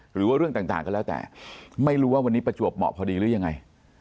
หรือว่าเรื่องต่างก็แล้วแต่ไม่รู้ว่าวันนี้ประจวบเหมาะพอดีหรือยังไง